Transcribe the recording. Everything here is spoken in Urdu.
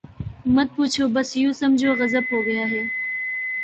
”مت پوچھو بس یوں سمجھو، غضب ہو گیا ہے۔